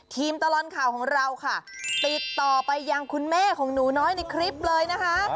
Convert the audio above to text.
ตลอดข่าวของเราค่ะติดต่อไปยังคุณแม่ของหนูน้อยในคลิปเลยนะคะ